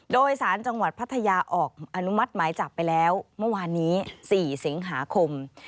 โดยสารจังหวัดพัทยาออกอนุมัติหมายจับไปแล้วเมื่อวานนี้๔สิงหาคม